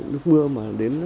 nước mưa mà đến